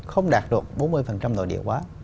không đạt được bốn mươi nội địa hóa